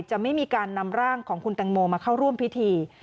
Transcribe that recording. จะไม่มีการนำร่างของคุณแตงโมมาเข้าร่วมพิธี